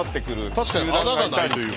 確かに穴がないというか。